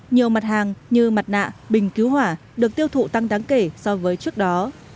nhiều mặt hàng như mặt nạ bình cứu hỏa được tiêu thụ tăng đáng kể so với trước đó